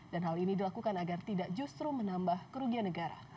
dan hal ini dilakukan agar tidak justru menambah kerugian negara